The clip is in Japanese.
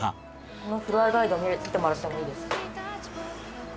このフロアガイドを見てもらってもいいですか？